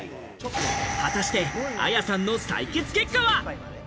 果たしてＡＹＡさんの採血結果は？